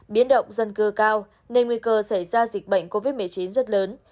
biến động dân cư cao nên nguy cơ xảy ra dịch bệnh covid một mươi chín rất lớn